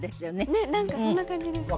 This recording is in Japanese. ねっ何かそんな感じですよね